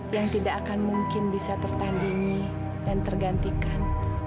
yang tidak akan mungkin bisa tertandingi dan tergantikan